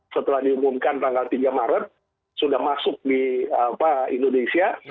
setelah diumumkan tanggal tiga maret sudah masuk di indonesia